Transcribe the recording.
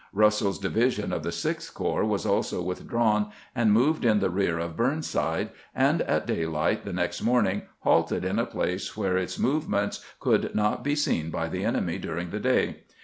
Russell's division of the Sixth Corps was also withdrawn and moved in the rear of Burnside, and at daylight the next morning halted in a place where its movements could not be seen by the enemy during the day.